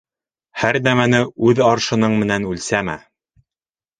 Һәр нәмәне үҙ аршының менән үлсәмә.